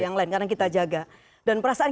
yang lain karena kita jaga dan perasaan